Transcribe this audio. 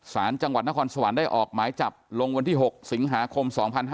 สารจังหวัดนครสวรรค์ได้ออกหมายจับลงวันที่๖สิงหาคม๒๕๕๙